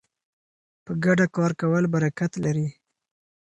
په ګډه کار کول برکت لري.